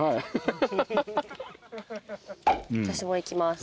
私もいきます。